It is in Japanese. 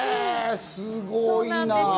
すごいな！